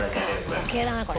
時計だなこれ。